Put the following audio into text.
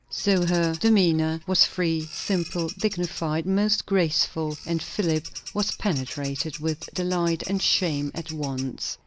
So her demeanour was free, simple, dignified, most graceful; and Philip was penetrated with delight and shame at once.